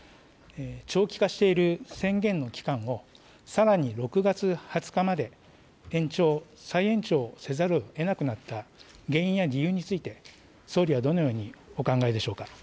長期化している宣言の期間をさらに６月２０日まで延長、再延長せざるをえなくなった原因や理由について、総理はどのようにお考えでしょうか。